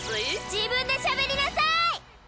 自分でしゃべりなさい！